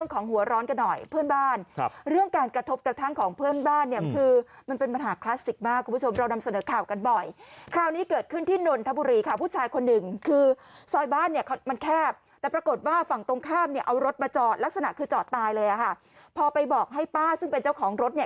ของหัวร้อนกันหน่อยเพื่อนบ้านครับเรื่องการกระทบกระทั่งของเพื่อนบ้านเนี่ยคือมันเป็นปัญหาคลาสสิกมากคุณผู้ชมเรานำเสนอข่าวกันบ่อยคราวนี้เกิดขึ้นที่นนทบุรีค่ะผู้ชายคนหนึ่งคือซอยบ้านเนี่ยมันแคบแต่ปรากฏว่าฝั่งตรงข้ามเนี่ยเอารถมาจอดลักษณะคือจอดตายเลยอ่ะค่ะพอไปบอกให้ป้าซึ่งเป็นเจ้าของรถเนี่ย